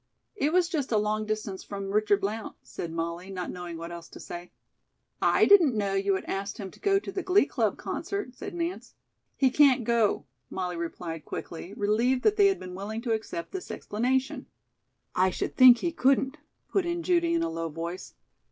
"It was just a long distance from Richard Blount," said Molly, not knowing what else to say. "I didn't know you had asked him to go to the Glee Club concert," said Nance. "He can't go," Molly replied quickly, relieved that they had been willing to accept this explanation. "I should think he couldn't," put in Judy, in a low voice.